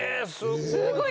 すごい。